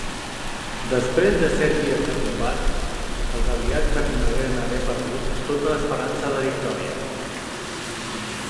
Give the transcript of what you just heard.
Després de set dies de combats, els aliats reconegueren haver perdut tota esperança de victòria.